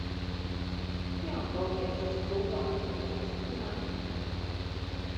Kion do mi estas kulpa, ke mi estas juna?